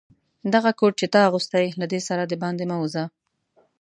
دغه کوټ چي تا اغوستی، له دې سره دباندي مه وزه.